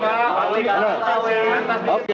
dari masyarakat pak